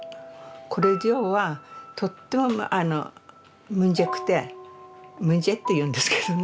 これ以上はとってもむじぇくてむじぇっていうんですけどね